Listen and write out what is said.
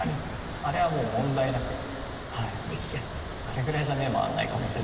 あれぐらいじゃ目回らないかもしれないですね。